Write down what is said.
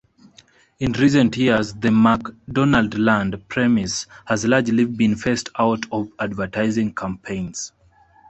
In recent years, the McDonaldland premise has largely been phased out of advertising campaigns.